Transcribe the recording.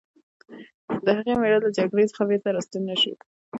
د هغې مېړه له جګړې څخه بېرته راستون نه شو